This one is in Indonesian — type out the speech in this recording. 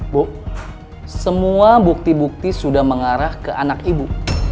bu semua bukti bukti sudah mengarah ke anak ibu